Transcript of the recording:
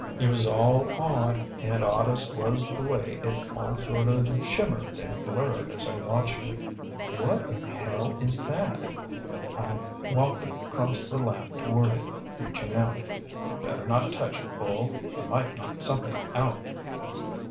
It was all odd, and oddest was the way it all sort of shimmered and blurred as I watched it. "What in hell is that?" I walked across the lab toward it, reaching out. "Better not touch it, Bull. You might knock something out."